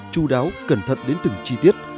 chu đáo cẩn thận đến từng chi tiết